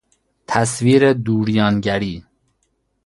تصویر دوریان گری